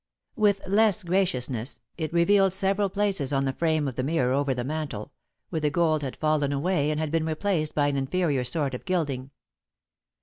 With less graciousness, it revealed several places on the frame of the mirror over the mantel, where the gold had fallen away and had been replaced by an inferior sort of gilding.